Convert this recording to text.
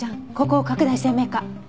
ここを拡大鮮明化。